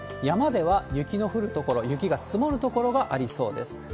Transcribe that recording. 山では雪の降る所、雪が積もる所がありそうです。